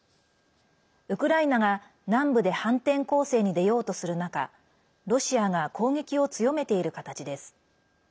ウクライナが南部で反転攻勢に出ようとする中ロシアが攻撃を強めている形です。